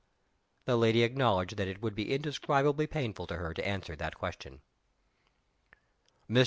The lady acknowledged that it would be indescribably painful to her to answer that question. Mr.